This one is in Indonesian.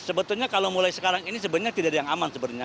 sebetulnya kalau mulai sekarang ini sebenarnya tidak ada yang aman sebenarnya